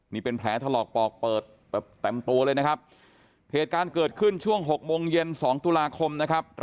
นี่เป็นแผลถลอกปอกเปิดแปรมตัวเลยนะครับ